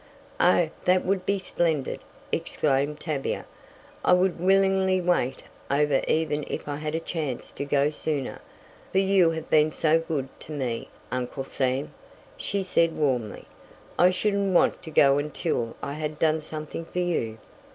"Oh, that would be splendid!" exclaimed Tavia. "I would willingly wait over even if I had a chance to go sooner, for you have been so good to me, Uncle Sam," she said warmly. "I shouldn't want to go until I had done something for you."